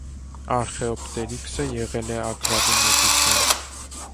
Արխեոպտերիքսը եղել է ագռավի մեծության։